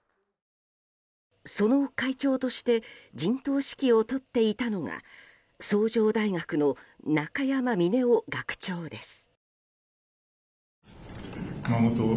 その会長として陣頭指揮を執っていたのが崇城大学の中山峰男学長です。